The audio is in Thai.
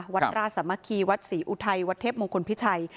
วัดราชสามัคคีวัดศรีอุทัยวัดเทพมงคลพิชัย